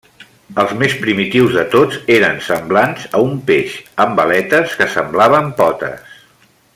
Els més primitius de tots eren semblants a un peix, amb aletes que semblaven potes.